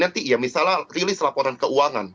nanti ya misalnya rilis laporan keuangan